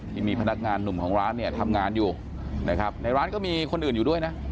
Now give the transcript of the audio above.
ที่มีพนักงานหนุ่มของร้านเนี่ยทำงานอยู่นะครับในร้านก็มีคนอื่นอยู่ด้วยนะ